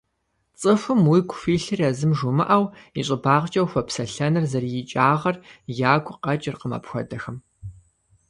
ЦӀыхум уигу хуилъыр езым жумыӀэу, и щӀыбагъкӀэ ухуэпсэлъэныр зэрыикӀагъэр ягу къэкӀыркъым апхуэдэхэм.